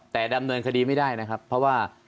แต่ดำเนินคดีไม่ได้นะครับเพราะว่า